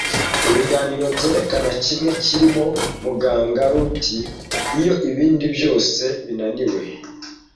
ibiganiro byerekana, kimwe kirimo Muganga Ruti. Iyo ibindi byose binaniwe,